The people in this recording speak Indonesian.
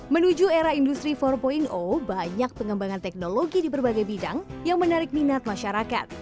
menuju era industri empat banyak pengembangan teknologi di berbagai bidang yang menarik minat masyarakat